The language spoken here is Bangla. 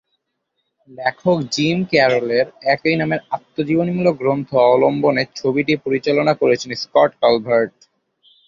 লেখক জিম ক্যারলের একই নামের আত্মজীবনীমূলক গ্রন্থ অবলম্বনে ছবিটি পরিচালনা করেছেন স্কট কালভার্ট।